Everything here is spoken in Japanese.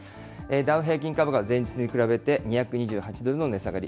ダウ平均株価は前日に比べて、２２８ドルの値下がり。